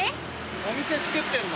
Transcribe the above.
お店造ってんの。